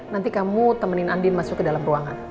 nanti kamu temenin andin masuk ke dalam ruangan